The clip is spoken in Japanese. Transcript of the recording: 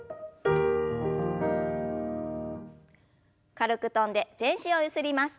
軽く跳んで全身をゆすります。